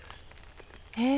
え。